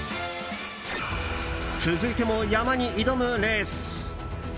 続いても山に挑むレース。